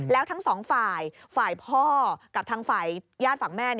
แล้วทั้งสองฝ่ายฝ่ายพ่อกับทางฝ่ายญาติฝั่งแม่